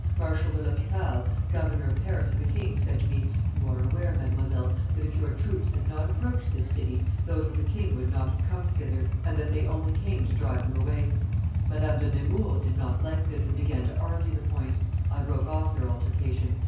Marshal de l'Hopital, governor of Paris for the king, said to me, 'You are aware, Mdlle., that if your troops had not approached this city, those of the king would not have come thither, and that they only came to drive them away.' Madame de Nemours did not like this, and began to argue the point. I broke off their altercation.